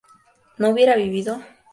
¿no hubiera vivido?